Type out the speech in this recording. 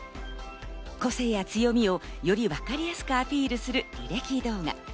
個性や強みをよりわかりやすくアピールする履歴動画。